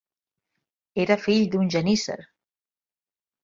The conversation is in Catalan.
Era fill d'un genísser.